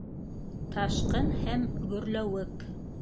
Ташҡын һәм гөрләүек